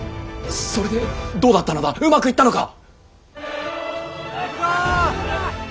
それでどうだったのだうまくいったのか！